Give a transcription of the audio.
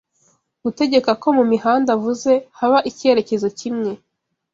gutegeka ko mu mihanda avuze haba icyerekezo kimwe